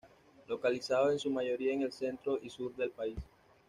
Localizados en su mayoría en el centro y sur del país.